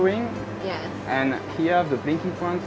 tunjukkan kami tempat kita sekarang